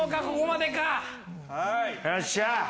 よっしゃあ。